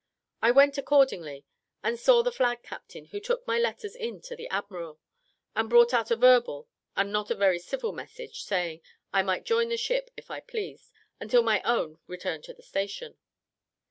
I went accordingly, and saw the flag captain, who took my letters in to the admiral, and brought out a verbal, and not a very civil message, saying, I might join the ship, if I pleased, until my own returned to the station.